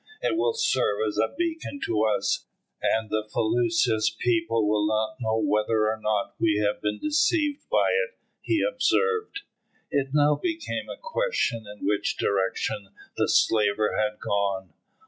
"It will serve as a beacon to us, and the felucca's people will not know whether or not we have been deceived by it," he observed. It now became a question in which direction the slaver had gone.